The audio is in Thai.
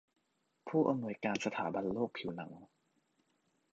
ผู้อำนวยการสถาบันโรคผิวหนัง